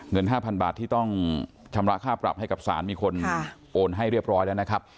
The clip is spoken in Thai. ๕๐๐บาทที่ต้องชำระค่าปรับให้กับศาลมีคนโอนให้เรียบร้อยแล้วนะครับ